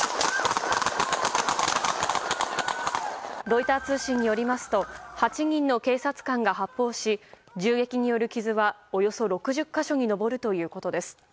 ロイター通信によりますと８人の警察官が発砲し銃撃による傷はおよそ６０か所に上るということです。